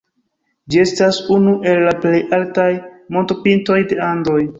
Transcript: Ĝi estas unu el plej altaj montopintoj de Andoj.